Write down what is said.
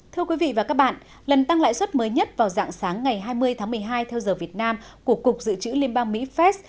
thưa quý vị và các bạn lần tăng lãi suất mới nhất vào dạng sáng ngày hai mươi tháng một mươi hai theo giờ việt nam của cục dự trữ liên bang mỹ fed